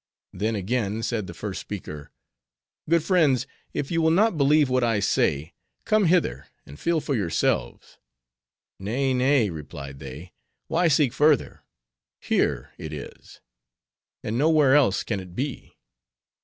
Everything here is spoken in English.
Then again said the first speaker: Good friends, if you will not believe what I say, come hither, and feel for yourselves.' 'Nay, nay,' replied they, why seek further? here it is; and nowhere else can it be.